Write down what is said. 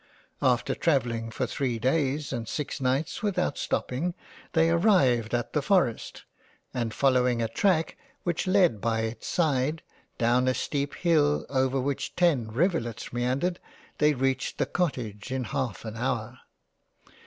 After travelling for three days and six nights without stopping, they arrived at the Forest and following a track which led by it's side down a steep Hill over which ten Rivulets meandered, they reached the Cottage in half an hour.